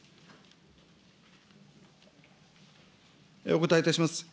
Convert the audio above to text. お答えいたします。